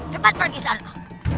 cepat pergi salma